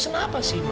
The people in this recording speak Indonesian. kenapa sih ma